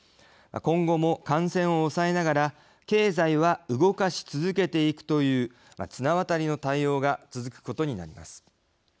今後も感染を抑えながら経済は動かし続けていくという綱渡りの対応が続くことになります。